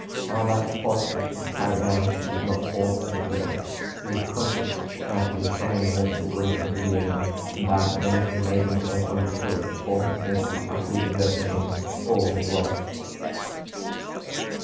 How that plot was to be carried out, he did not pause to consider; he was conscious that he was hanging over the brink of delirium, and that, unless he made himself understood before his senses utterly deserted him, all was lost.